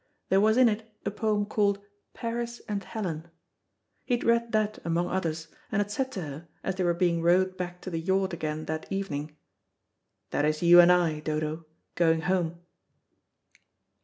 There was in it a poem called "Paris and Helen." He had read that among others, and had said to her, as they were being rowed back to the yacht again that evening, "That is you and I, Dodo, going home."